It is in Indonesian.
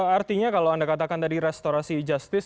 artinya kalau anda katakan tadi restorasi justice